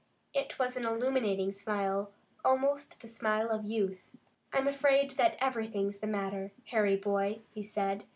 It was an illuminating smile, almost the smile of youth. "I'm afraid that everything's the matter, Harry, boy," he said.